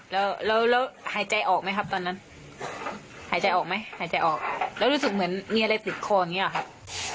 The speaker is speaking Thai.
แล้วแล้วหายใจออกไหมครับตอนนั้นหายใจออกไหมหายใจออกแล้วรู้สึกเหมือนมีอะไรติดคออย่างนี้หรอครับ